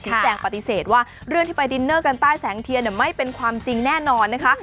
ชี้แจงปฏิเสธว่าเรื่องที่ไปดินเนอร์กันใต้แสงเทียนไม่เป็นความจริงแน่นอนนะคะ